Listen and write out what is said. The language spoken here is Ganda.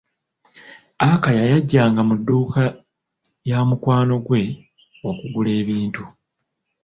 Akaya yajjanga mu dduuka ya mukwano gwe okugula ebintu.